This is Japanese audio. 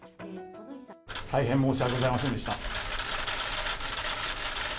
大変申し訳ございませんでした。